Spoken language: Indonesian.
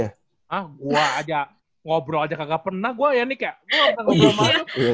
hah gua aja ngobrol aja kagak pernah gua ya nih kayak